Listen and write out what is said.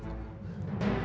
dia memeluk foto afif